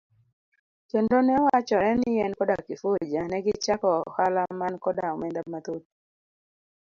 Kendo newachore ni en koda Kifuja negichako ohala man koda omenda mathoth.